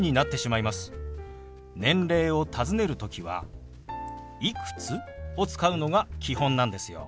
年齢をたずねる時は「いくつ？」を使うのが基本なんですよ。